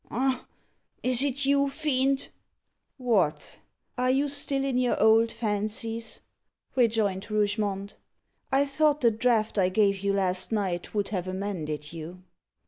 "Ah! is it you, Fiend?" "What, you are still in your old fancies," rejoined Rougemont. "I thought the draught I gave you last night would have amended you."